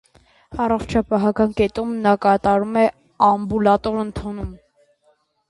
Առողջապահական կետում նա կատարում է ամբուլատոր ընդունում։